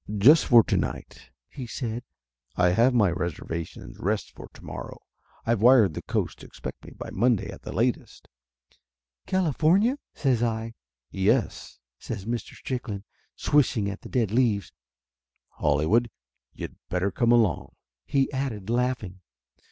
"Just for to night," he said. "I have my reserva tions West for to morrow. I've wired the Coast to expect me by Monday at the latest." "California?" says I. "Yes," says Mr. Strickland, swishing at the dead leaves. "Hollywood. You'd better come along," he added, laughing.